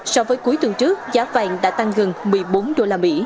so với cuối tuần trước giá vàng đã tăng gần một mươi bốn usd